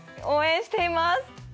応援しています。